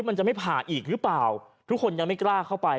มันจะไม่ผ่าอีกหรือเปล่าทุกคนยังไม่กล้าเข้าไป